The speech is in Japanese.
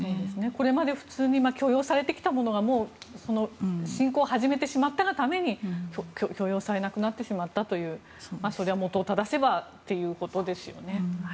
これまで普通に許容されてきたものが侵攻を始めてしまったがために許容されなくなってしまったというそれはもとを正せばということですよね。